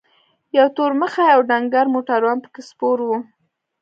یو تور مخی او ډنګر موټروان پکې سپور و.